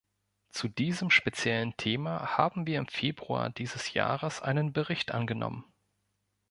Zu diesem speziellen Thema haben wir im Februar dieses Jahres einen Bericht angenommen.